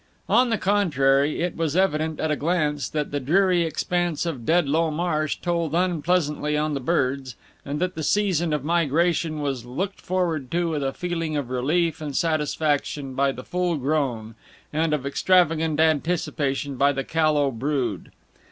On the contrary, it was evident at a glance that the dreary expanse of Dedlow Marsh told unpleasantly on the birds, and that the season of migration was looked forward to with a feeling of relief and satisfaction by the full grown, and of extravagant anticipation by the callow, brood.